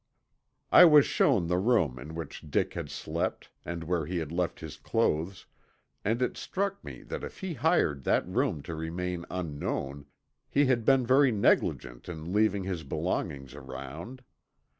I was shown the room in which Dick had slept and where he had left his clothes, and it struck me that if he hired that room to remain unknown, he had been very negligent in leaving his belongings around.